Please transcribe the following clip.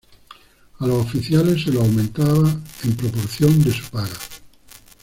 A los oficiales se los aumentaba en proporción de su paga.